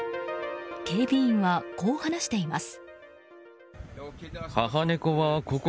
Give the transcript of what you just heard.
警備員はこう話しています。